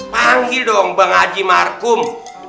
panggil dong bang haji markum